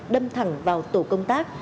đâm thẳng vào tổ công tác